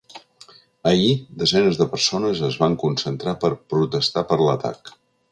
Ahir, desenes de persones es van concentrar per protestar per l’atac.